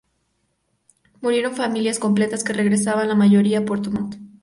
Murieron familias completas que regresaban la mayoría a Puerto Montt.